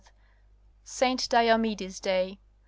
Saint Diomede's day.